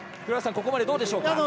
黒岩さん、ここまでどうでしょう。